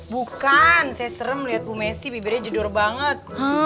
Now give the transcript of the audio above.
bukan saya serem liat bu messi bibirnya jedor banget